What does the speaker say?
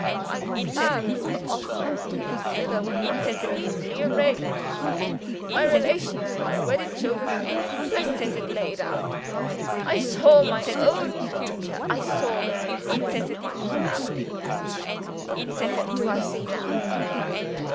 My plans for Oscar and Lucilla were completely arranged. My relations with my wedded children were pleasantly laid out. I saw my own future; I saw the future of my family. What do I see now?